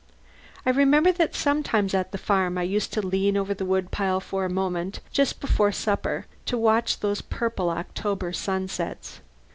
I remember that sometimes at the farm I used to lean over the wood pile for a moment just before supper to watch those purple October sunsets.